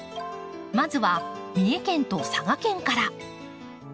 まずは三重県と佐賀県から。